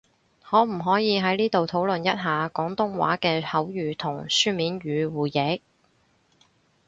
可唔可以喺呢度討論一下，廣東話嘅口語同書面語互譯？